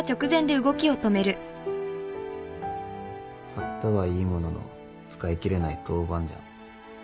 買ったはいいものの使い切れない豆板醤。